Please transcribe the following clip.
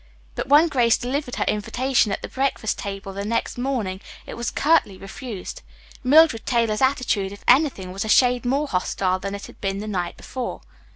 But when Grace delivered her invitation at the breakfast table the next morning it was curtly refused. Mildred Taylor's attitude, if anything, was a shade more hostile than it had been the night before.